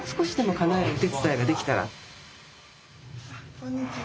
こんにちは。